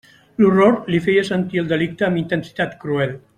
L'horror li feia sentir el delicte amb intensitat cruel.